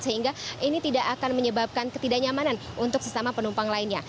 sehingga ini tidak akan menyebabkan ketidaknyamanan untuk sesama penumpang lainnya